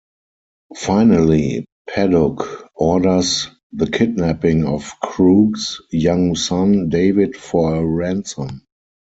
Finally, Paduk orders the kidnapping of Krug's young son, David, for a ransom.